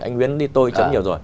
anh nguyễn đi tôi chấm nhiều rồi